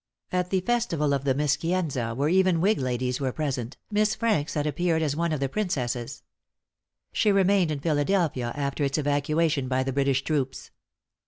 At the festival of the Mischianza, where even whig ladies were present, Miss Franks had appeared as one of the princesses. She remained in Philadelphia after its evacuation by the British troops.